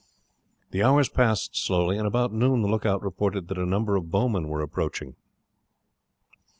The hours passed slowly, and about noon the lookout reported that a number of bowmen were approaching.